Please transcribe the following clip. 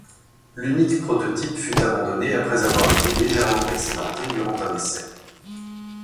L’unique prototype fut abandonné après avoir été légèrement accidenté durant un essai.